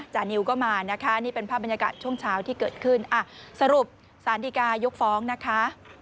นิวก็มานะคะนี่เป็นภาพบรรยากาศช่วงเช้าที่เกิดขึ้นสรุปสารดีกายกฟ้องนะคะ